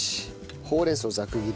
ほうれん草ざく切り。